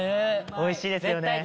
美味しいですよね。